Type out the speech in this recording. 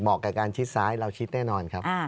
กับการชิดซ้ายเราชิดแน่นอนครับ